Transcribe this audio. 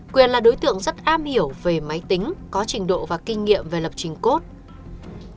quyền là đối tượng rất am hiểu về máy tính có trình độ và kinh nghiệm về lập trình cốt